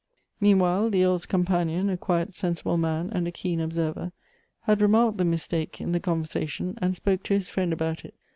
Meanwhile the Earl's companion, a quiet, sensible man and a keen observer, had remarked the mistake in the 11* » 250 G O E T H B ' s conversation, and spoke to his friend about it.